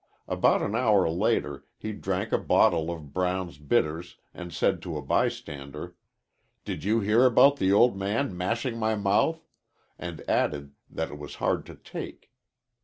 About an hour later he drank a bottle of Brown's Bitters, and said to a bystander: 'Did you hear about the old man mashing my mouth?' and added that it was hard to take.